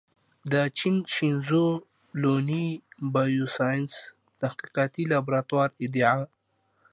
د چین شینزو لونوي بایوساینس تحقیقاتي لابراتوار ادعا